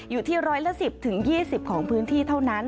อยู่ที่ร้อยละ๑๐๒๐ของพื้นที่เท่านั้น